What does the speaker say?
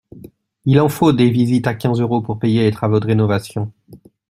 Il en faut des visites à quinze euros pour payer les travaux de restauration.